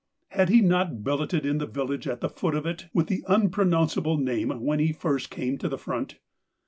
Had he not billeted in the village at the foot of it with the unpronounceable name when he first came to the front